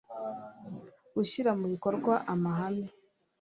Gushyira mu bikorwa amahame